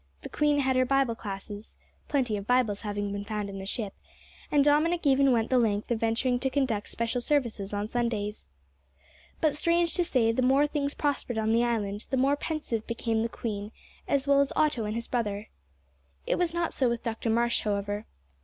The queen had her Bible classes plenty of Bibles having been found in the ship and Dominick even went the length of venturing to conduct special services on Sundays. But, strange to say, the more things prospered on the island, the more pensive became the queen, as well as Otto and his brother. It was not so with Dr Marsh, however.